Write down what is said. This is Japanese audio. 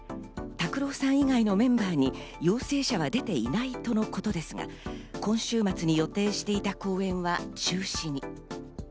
ＴＡＫＵＲＯさん以外のメンバーに陽性者は出ていないとのことですが、今週末に予定していた公演は中止に。